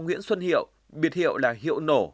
nguyễn xuân hiệu biệt hiệu là hiệu nổ